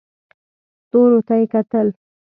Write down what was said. ستورو ته یې کتل.